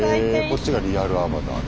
こっちがリアルアバター。